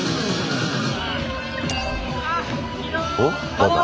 何だ？